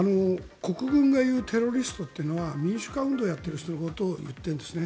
国軍が言うテロリストいうのは民主化運動をやっている人のことを言うんですね。